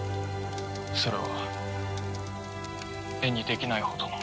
それは絵にできないほどの。